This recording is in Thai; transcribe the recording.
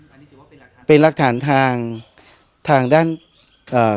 อันนี้ถือว่าเป็นหลักฐานเป็นหลักฐานทางทางด้านเอ่อ